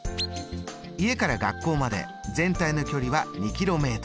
家から学校まで全体の距離は２ｋｍ。